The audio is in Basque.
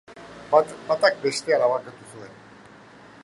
Batak bestea labankatu zuen.